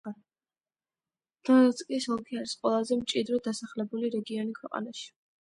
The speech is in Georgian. დონეცკის ოლქი არის ყველაზე მჭიდროდ დასახლებული რეგიონი ქვეყანაში.